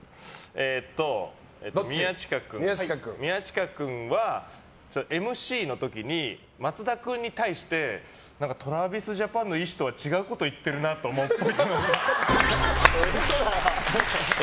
宮近君はＭＣの時に松田君に対してＴｒａｖｉｓＪａｐａｎのいい人は違うこと言ってるなって思うっぽい。